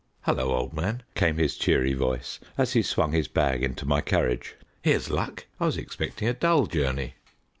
"Hullo, old man," came his cheery voice as he swung his bag into my carriage; "here's luck; I was expecting a dull journey!"